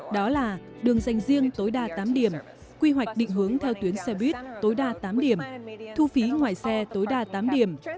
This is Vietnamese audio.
đó là đường dành riêng tối đa tám điểm quy hoạch định hướng theo tuyến xe buýt tối đa tám điểm thu phí ngoài xe tối đa tám điểm